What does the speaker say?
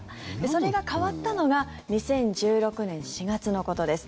それが変わったのが２０１６年４月のことです。